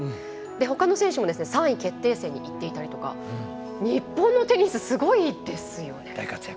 ほかの選手も３位決定戦にいっていたりとか日本のテニスすごいですよね。